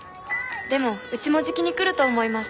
でもうちもじきに来ると思います。